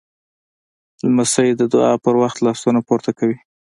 لمسی د دعا پر وخت لاسونه پورته کوي.